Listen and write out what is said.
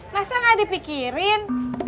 masa gak dipikirin